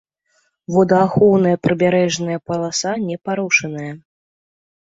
Водаахоўная прыбярэжная паласа не парушаная.